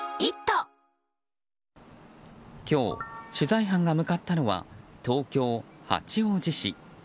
今日、取材班が向かったのは東京・八王子市。